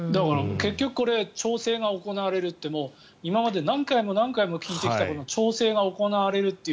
結局、これは調整が行われるって今まで何回も何回も聞いてきたこの調整が行われるという。